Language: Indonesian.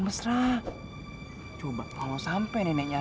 pegang suara pemandangan dan memwegzon alok